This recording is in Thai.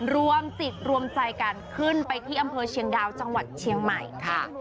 รวมจิตรวมใจกันขึ้นไปที่อำเภอเชียงดาวจังหวัดเชียงใหม่ค่ะ